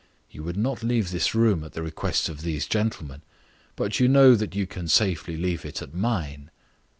You would not leave this room at the request of these gentlemen. But you know that you can safely leave it at mine."